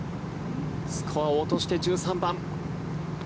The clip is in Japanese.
スコアを落として、１３番。